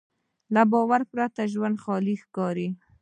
له باور پرته ژوند خالي ښکاري.